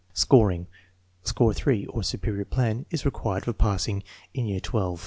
Scoring. Score 3 (or superior plan) is required for pass ing in year XII.